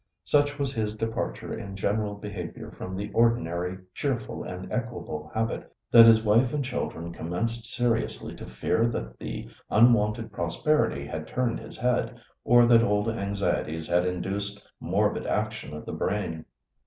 Such was his departure in general behaviour from the ordinary cheerful and equable habit that his wife and children commenced seriously to fear that the unwonted prosperity had turned his head, or that old anxieties had induced morbid action of the brain.